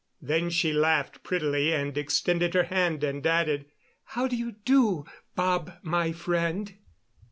Then she laughed prettily and, extending her hand, added: "How do you do, Bob my friend?"